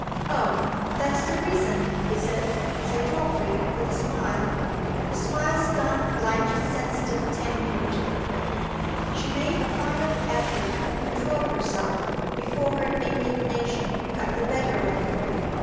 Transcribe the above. "Oh? That's the reason is it?" said Geoffrey, with a smile. The smile stung Blanche's sensitive temper to the quick. She made a final effort to control herself, before her indignation got the better of her.